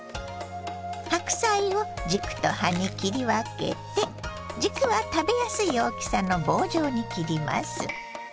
白菜を軸と葉に切り分けて軸は食べやすい大きさの棒状に切ります。